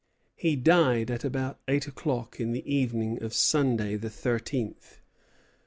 He died at about eight o'clock in the evening of Sunday, the thirteenth.